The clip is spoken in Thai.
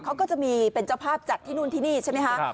เขาก็จะมีเป็นเจ้าภาพจัดที่นู่นที่นี่ใช่ไหมคะ